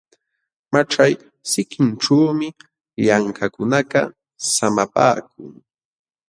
Maćhay sikinćhuumi llamkaqkunakaq samapaakun.